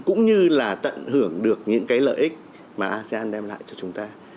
cũng như là tận hưởng được những cái lợi ích mà asean đem lại cho chúng ta